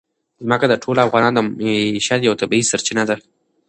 ځمکه د ټولو افغانانو د معیشت یوه طبیعي سرچینه ده.